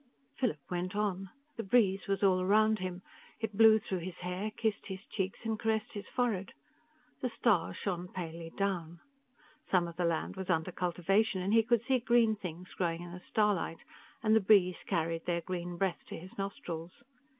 Philip went on. The breeze was all around him. It blew through his hair, kissed his cheeks and caressed his forehead. The stars shone palely down. Some of the land was under cultivation, and he could see green things growing in the starlight, and the breeze carried their green breath to his nostrils.